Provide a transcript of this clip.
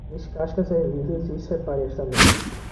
Descasque as ervilhas e separe-as também.